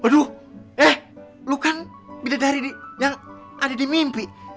aduh eh lu kan beda dari yang ada di mimpi